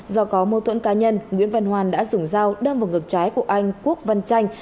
do có mô tuận cá nhân nguyễn văn hoan đã dùng dao đâm vào ngực trái của anh quốc văn chanh